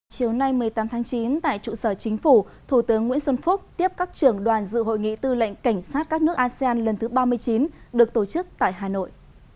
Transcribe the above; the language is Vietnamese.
chiều nay một mươi tám tháng chín tại trụ sở chính phủ thủ tướng nguyễn xuân phúc tiếp các trưởng đoàn dự hội nghị tư lệnh cảnh sát các nước asean lần thứ ba mươi chín được tổ chức tại hà nội